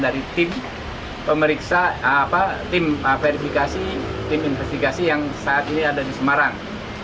dari tim pemeriksa tim verifikasi tim investigasi yang saat ini ada di semarang